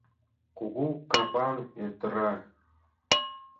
Кугу капан, йытыра.